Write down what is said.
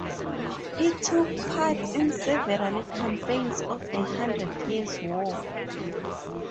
He took part in several campaigns of the Hundred Years War.